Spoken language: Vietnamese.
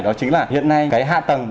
đó chính là hiện nay cái hạ tầng